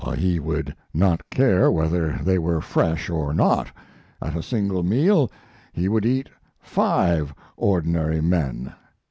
"He would not care whether they were fresh or not; at a single meal he would eat five ordinary men."